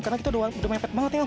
karena kita udah mepet banget ya om